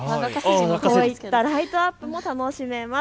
こういったライトアップも楽しめます。